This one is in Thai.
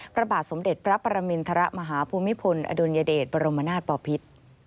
พระบาทสมเด็จพระปรมินทรมาฮภูมิพลอดุลยเดชบรมนาศปอพิษ